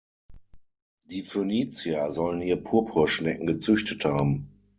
Die Phönizier sollen hier Purpurschnecken gezüchtet haben.